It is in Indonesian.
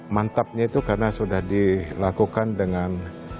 mantapnya itu karena sudah dilakukan dengan